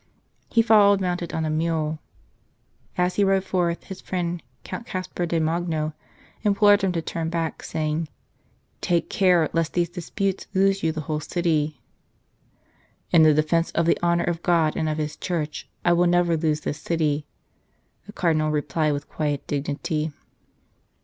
He followed mounted on a mule. As he rode forth his friend, Count Caspar de Magno, implored him to turn back, saying :" Take care lest these disputes lose you the whole city." " In the defence of the honour of God and of His Church I will never lose this city," the Cardinal replied with quiet dignity.